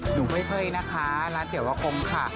หนูเฮ้ยนะคะร้านเตี๋ยวอากงค่ะ